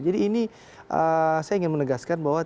jadi ini saya ingin menegaskan bahwa